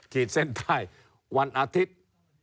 ขีดเส้นใต้วันอาทิตย์